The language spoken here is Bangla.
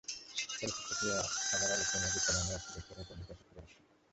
চলচ্চিত্রটি আবার অলোক কুমার গুপ্ত নামে একটি রেস্তোরাঁর কর্মীর কাছে ফিরে আসে।